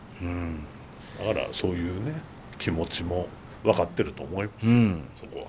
だからそういうね気持ちも分かってると思いますよ